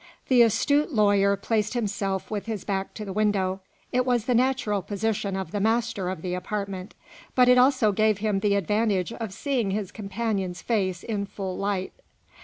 The astute lawyer placed himself with his back to the window; it was the natural position of the master of the apartment; but it also gave him the advantage of seeing his companion's face in full light.